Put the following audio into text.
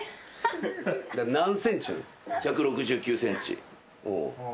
何ｃｍ？１６９ｃｍ。